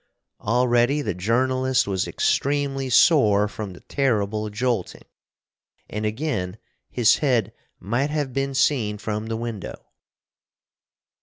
Already the journalist was extremely sore from the terrible jolting and again his head "might have been seen from the window."